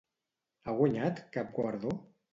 Ha guanyat cap guardó?